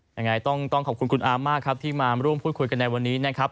ยังไงต้องขอบคุณคุณอามมากครับที่มาร่วมพูดคุยกันในวันนี้นะครับ